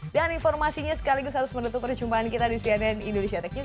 dan informasinya sekaligus harus menutup perjumpaan kita di cnn indonesia tech news